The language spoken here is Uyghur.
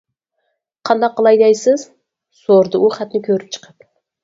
-قانداق قىلاي دەيسىز؟ -سورىدى ئۇ خەتنى كۆرۈپ چىقىپ.